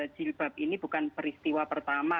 jilbab ini bukan peristiwa pertama